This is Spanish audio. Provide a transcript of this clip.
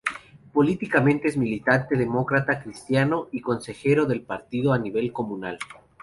Políticamente es militante demócrata cristiano y consejero del partido a nivel comunal.